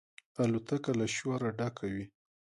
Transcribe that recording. الوتکه له شوره ډکه وي.